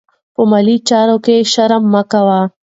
په مالي چارو کې شرم مه کوئ.